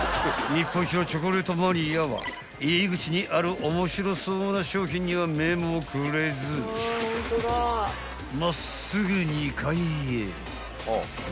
［日本一のチョコレートマニアは入り口にある面白そうな商品には目もくれず真っすぐ２階へ］